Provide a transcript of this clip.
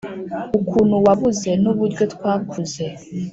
ukuntu wabuze nuburyo twakuze